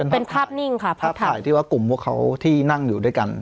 เป็นภาพนิ่งค่ะภาพถ่ายที่ว่ากลุ่มพวกเขาที่นั่งอยู่ด้วยกัน